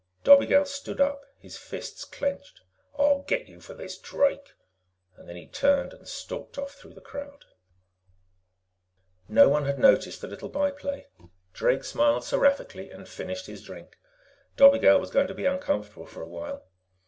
Dobigel stood up, his fists clenched. "I'll get you for this, Drake." Then he turned and stalked off through the crowd. No one had noticed the little by play. Drake smiled seraphically and finished his drink. Dobigel was going to be uncomfortable for a while.